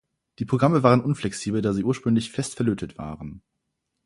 Die Programme waren unflexibel, da sie ursprünglich fest verlötet waren.